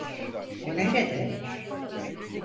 O nerede?